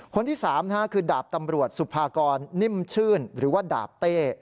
คนที่๓คือดาบตำรวจสุภากรนิ่มชื่นหรือว่าดาบเต้